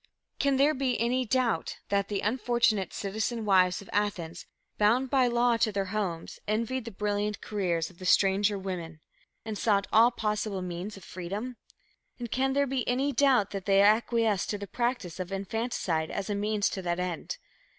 Can there be any doubt that the unfortunate "citizen wives" of Athens, bound by law to their homes, envied the brilliant careers of the "stranger women," and sought all possible means of freedom? And can there be any doubt that they acquiesced in the practice of infanticide as a means to that end?